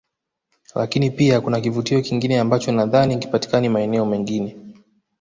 Lakini pia kuna kivutio kingine ambacho nadhani hakipatikani maeneo mengine